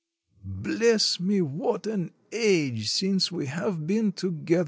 "Bless me, what an age since we have been together!